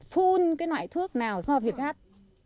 phun cái loại thuốc nào do việt gáp